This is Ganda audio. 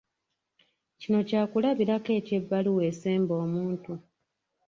Kino kyakulabirako eky'ebbaluwa esemba omuntu.